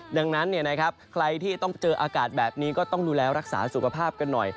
ดังนั้นใครที่ต้องเจออากาศแบบนี้ก็ต้องดูแลรักษาสุขภาพกันหน่อย